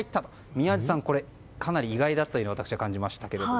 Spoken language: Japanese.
宮司さん、かなり意外だったと私は感じましたけれども。